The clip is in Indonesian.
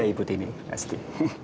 iya ibu tini pasti